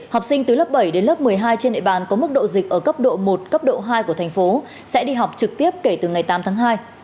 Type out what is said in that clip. học sinh từ lớp bảy đến lớp một mươi hai trên địa bàn có mức độ dịch ở cấp độ một cấp độ hai của thành phố sẽ đi học trực tiếp kể từ ngày tám tháng hai